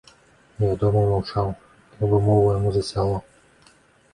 Невядомы маўчаў, як бы мову яму зацяло.